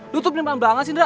lu tuh bener banget sih nera